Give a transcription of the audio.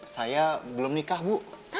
saya belum nikah bu